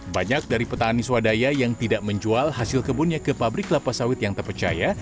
banyak dari petani swadaya yang tidak menjual hasil kebunnya ke pabrik kelapa sawit yang terpercaya